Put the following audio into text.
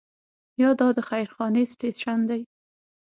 یا دا د خير خانې سټیشن دی.